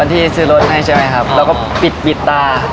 ที่ซื้อรถให้ใช่ไหมครับแล้วก็ปิดปิดตา